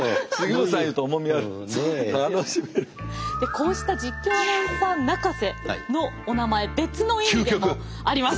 こうした実況アナウンサー泣かせのおなまえ別の意味でもあります。